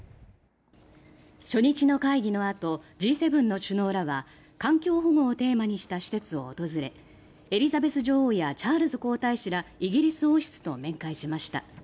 初日の会議のあとＧ７の首脳らは環境保護をテーマにした施設を訪れエリザベス女王やチャールズ皇太子らイギリス王室と面会しました。